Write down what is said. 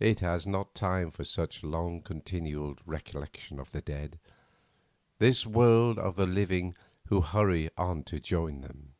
It has not time for such long continued recollection of the dead, this world of the living who hurry on to join them.